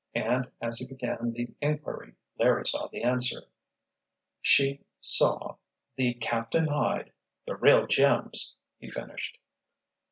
—" and as he began the inquiry Larry saw the answer. "She—saw—the—captain hide—the real gems!" he finished.